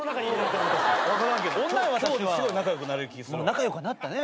仲良くなったね。